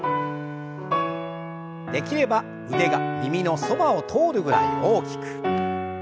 できれば腕が耳のそばを通るぐらい大きく。